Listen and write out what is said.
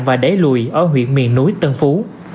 và để lùi ở huyện miền núi tân phú